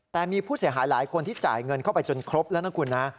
แต่มีผู้เสียหายหลายคนที่จ่ายเงินเข้าไปจนครบแล้วนะคุณนะ